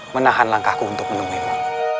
menahan langkahku untuk menungguimu